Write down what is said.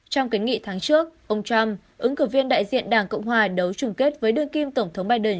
trong kiến nghị tháng trước ông trump ứng cử viên đại diện đảng cộng hòa đấu chung kết với đương kim tổng thống biden